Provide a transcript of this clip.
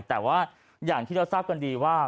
แต่ว่าอย่างที่เราทราบกันดีว่า